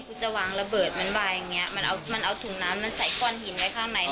คุณจะวางระเบิดมันวายอย่างเงี้มันเอามันเอาถุงน้ำมันใส่ก้อนหินไว้ข้างใน